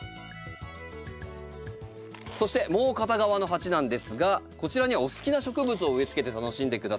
そしてもう片側の鉢なんですがこちらにはお好きな植物を植え付けて楽しんでください。